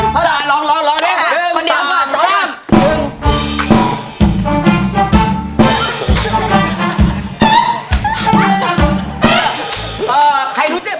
พ่อเราเดินวานคนเดียวเลย